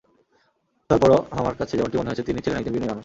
তার পরও আমার কাছে যেমনটি মনে হয়েছে, তিনি ছিলেন একজন বিনয়ী মানুষ।